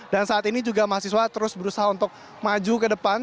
saat ini juga mahasiswa terus berusaha untuk maju ke depan